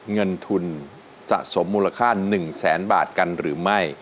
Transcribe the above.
เงินทุนจะสมมูลค่า๑แสนบาทกันหรือไม่